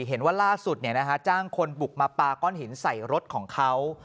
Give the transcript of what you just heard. เห็นว่าล่าสุดจ้างคนบุกมาปลาก้อนหินใส่รถของเขา